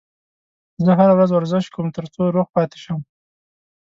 زه هره ورځ ورزش کوم ترڅو روغ پاتې شم